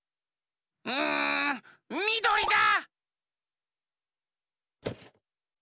うんみどりだ！